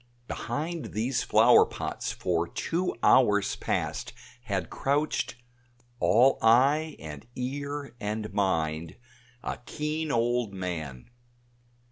Behind these flower pots for two hours past had crouched all eye and ear and mind a keen old man.